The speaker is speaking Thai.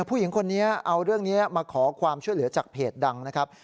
ผู้หญิงคนนี้เอาเรื่องนี้มาขอความช่วยเหลือจากเพจดังนะครับ